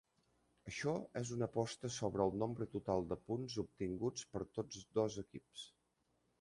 Això és una aposta sobre el nombre total de punts obtinguts per tots dos equips.